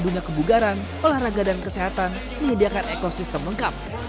dunia kebugaran olahraga dan kesehatan menyediakan ekosistem lengkap